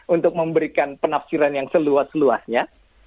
untuk memberikan penafsiran yang seluas luasnya